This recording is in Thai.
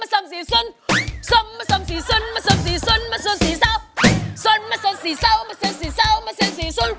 เฮ้เล่น